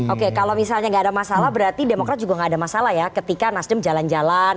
oke kalau misalnya nggak ada masalah berarti demokrat juga nggak ada masalah ya ketika nasdem jalan jalan